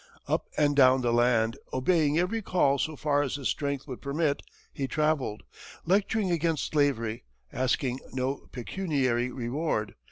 Up and down the land, obeying every call so far as his strength would permit, he travelled, lecturing against slavery, asking no pecuniary reward.